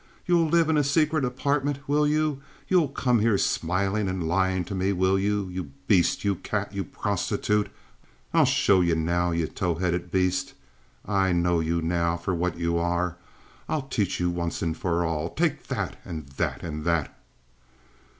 You'll live in a secret apartment, will you? You'll come here smiling and lying to me, will you? You beast! You cat! You prostitute! I'll show you now! You tow headed beast! I know you now for what you are! I'll teach you once for all! Take that, and that, and that!"